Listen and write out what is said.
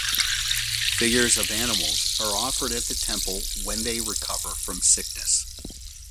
Figures of animals are offered at the temple when they recover from sickness.